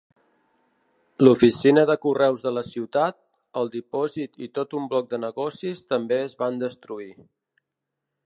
L'oficina de correus de la ciutat, el dipòsit i tot un bloc de negocis també es van destruir.